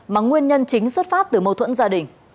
mà nguyên nhân chính xuất phát từ mâu thuẫn gia đình